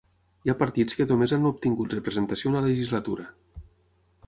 Hi ha partits que només han obtingut representació una legislatura.